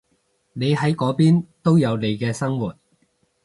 你喺嗰邊都有你嘅生活